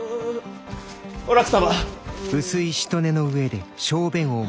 お楽様。